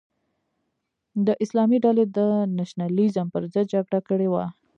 د اسلامي ډلې د نشنلیزم پر ضد جګړه کړې وه.